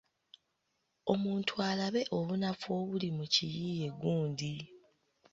Omuntu alabe obunafu obuli mu kiyiiye gundi.